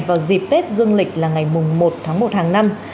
vào dịp tết dương lịch là ngày một tháng một hàng năm